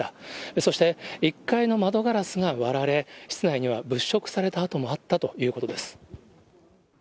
そして、１階の窓ガラスが割られ、室内には物色された跡もあったということです。